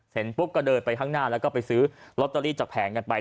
เสร็จปุ๊บก็เดินไปข้างหน้าแล้วก็ไปซื้อลอตเตอรี่จากแผงกันไป